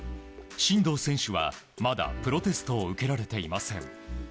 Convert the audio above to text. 真道選手は、まだプロテストを受けられていません。